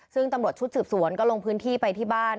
ซึ่งตำรวจชุดสืบสวนก็ลงพื้นที่ไปที่บ้าน